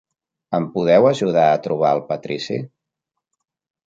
Em podeu ajudar a trobar el patrici?